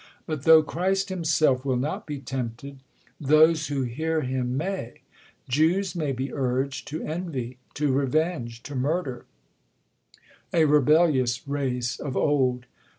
But though Christ hmiselt Will not be tempted, those who hear him may : Jews may be urg'd to envy, to revenge, To murder :, a reballious, racc of old